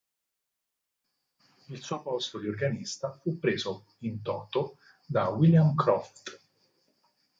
Il suo posto di organista fu preso "in toto" da William Croft.